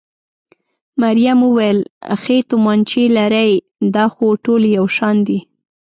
مريم وویل: ښې تومانچې لرئ؟ دا خو ټولې یو شان دي.